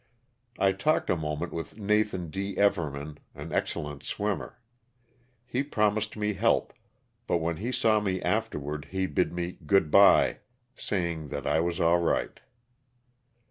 I talked a moment with Nathan D. Everman, an excellent swimmer. He promised me help, but when he saw me afterward he bid me *'good bye," say ing that I was all right.